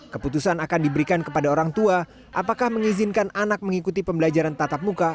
keputusan akan diberikan kepada orang tua apakah mengizinkan anak mengikuti pembelajaran tatap muka